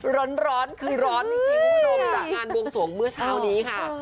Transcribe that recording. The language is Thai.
ร้อนคือร้อนจริงคุณผู้ชมจากงานบวงสวงเมื่อเช้านี้ค่ะ